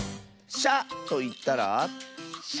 「しゃ」といったら？